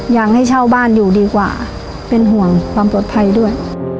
อยากให้เช่าบ้านอยู่ดีกว่าเป็นห่วงความปลอดภัยด้วย